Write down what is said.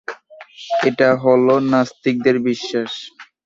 এটা হল নাস্তিকদের বিশ্বাস।